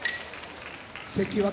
関脇